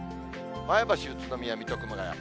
前橋、宇都宮、水戸、熊谷。